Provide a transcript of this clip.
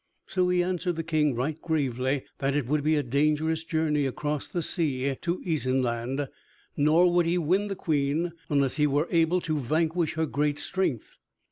So he answered the King right gravely that it would be a dangerous journey across the sea to Isenland, nor would he win the Queen unless he were able to vanquish her great strength.